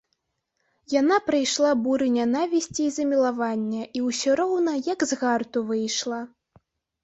І яна прайшла буры нянавісці і замілавання і ўсё роўна як з гарту выйшла.